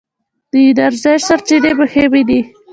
د انرژۍ سرچینې مهمې دي.